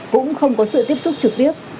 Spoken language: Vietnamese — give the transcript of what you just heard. cũng không có sự tiếp xúc trực tiếp